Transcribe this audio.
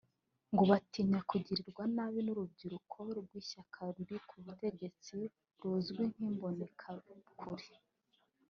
ngo batinya kugirirwa nabi n’urubyiruko rw’ishyaka riri ku butegetsi ruzwi nk’Imbonerakure